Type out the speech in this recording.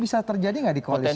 bisa terjadi nggak di koalisi